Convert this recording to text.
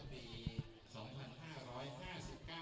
พี่บอกว่ารัฐนาปรงควรหมดชุดนี้